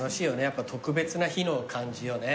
やっぱ特別な日の感じよね。